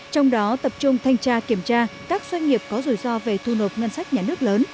trong đó tập trung thanh tra kiểm tra các doanh nghiệp có rủi ro về thu nộp ngân sách nhà nước lớn